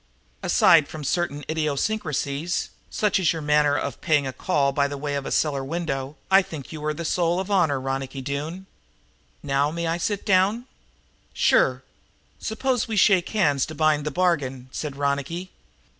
"Aside from certain idiosyncrasies, such as your manner of paying a call by way of a cellar window, I think you are the soul of honor, Ronicky Doone. Now may I sit down?" "Suppose we shake hands to bind the bargain," said Ronicky.